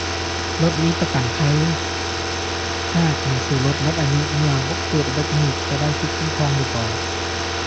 ລົດມີປະກັນໄພຫາກໜັງສືລົດໝົດອາຍຸເມື່ອເກີດອຸບັດເຫດຍັງຈະໄດ້ສິດຄຸ້ມຄອງຫຼື ບໍ່?